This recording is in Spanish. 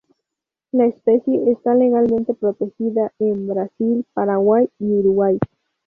La especie está legalmente protegida en Brasil, Paraguay y Uruguay.